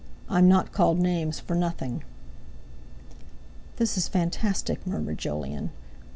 I'm not called names for nothing." "This is fantastic," murmured Jolyon.